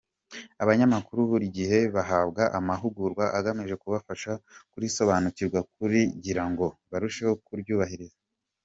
Abanyamakuru buri gihe bahabwa amahugugwa agamije kubafasha kurisobanukirwa kugira ngo barusheho kuryubahiriza.